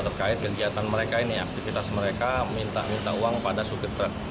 terkait kegiatan mereka ini aktivitas mereka minta minta uang pada supir truk